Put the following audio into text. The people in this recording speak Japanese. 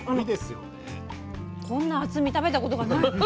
こんな厚み食べたことがない。